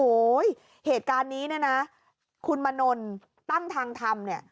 โอ้ยเหตุการณ์นี้น่ะนะคุณมโน่นตั้งทางทำเนี้ย